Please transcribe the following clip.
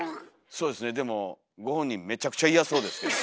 そうですねでもご本人めちゃくちゃ嫌そうですけど。